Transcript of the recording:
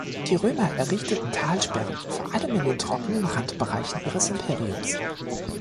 Die Römer errichteten Talsperren vor allem in den trockenen Randbereichen ihres Imperiums.